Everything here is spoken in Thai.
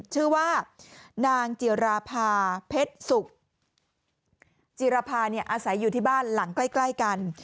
ชื่อว่านางจิราภาเพชรสุขจิรภาเนี่ยอาศัยอยู่ที่บ้านหลังใกล้กัน